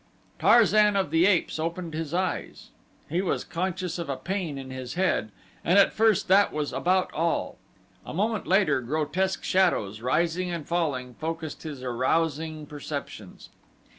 Tarzan of the Apes opened his eyes. He was conscious of a pain in his head, and at first that was about all. A moment later grotesque shadows, rising and falling, focused his arousing perceptions.